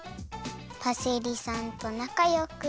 パセリさんとなかよく。